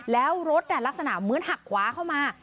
แล้วรถลักษณะเหมือนหักขวาเข้ามา